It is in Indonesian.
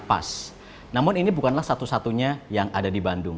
tempat ini sangat pas namun ini bukanlah satu satunya yang ada di bandung